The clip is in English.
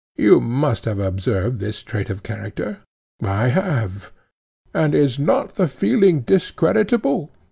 You must have observed this trait of character? I have. And is not the feeling discreditable?